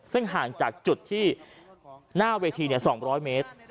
ซึ่งห่างจากจุดที่หน้าเวที๒๐๐เมตร